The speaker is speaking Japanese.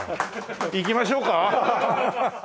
いきましょうか。